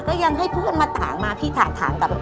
ก็ยังให้เพื่อนมาถามมาพี่ถางกับ